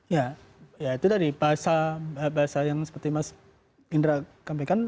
ya itu dari bahasa yang seperti mas indra kampaikan